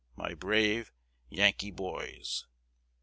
My brave Yankee boys.